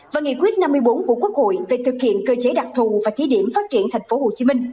và nghị quyết năm mươi bốn của quốc hội về thực hiện cơ chế đặc thù và chí điểm phát triển thành phố hồ chí minh